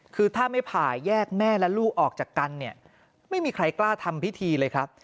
คือถ้าไม่ผ่าแยกแม่และลูกออกจากกันเนี่ยไม่มีใครกล้าทำพิธีเลยครับ